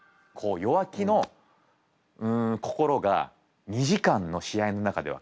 弱気の心が２時間の試合の中では必ずやって来るんです。